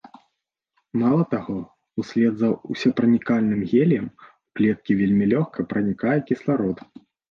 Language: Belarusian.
Мала таго, услед за ўсепранікальным геліем у клеткі вельмі лёгка пранікае кісларод.